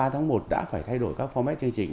ba tháng một đã phải thay đổi các format chương trình